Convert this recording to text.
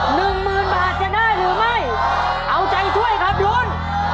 หยุดอย่าสนายคุณ